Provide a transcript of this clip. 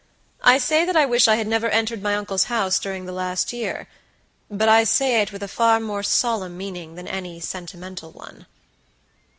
I say that I wish I had never entered my uncle's house during the last year; but I say it with a far more solemn meaning than any sentimental one."